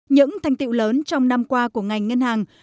những thành tiệu lớn trong năm qua của ngành ngân hàng